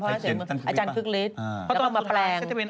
อาจารย์ครึกฤทธิ์